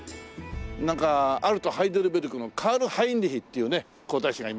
なんか『アルト・ハイデルベルク』のカール・ハインリヒっていうね皇太子がいましたけどね。